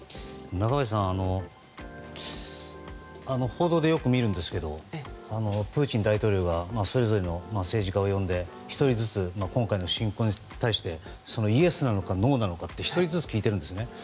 中林さん報道でよく見るんですけどプーチン大統領がそれぞれの政治家を呼んで１人ずつ今回の侵攻に対してイエスなのかノーなのか１人ずつ聞いてるんですね。